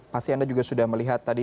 pasti anda juga sudah melihat tadi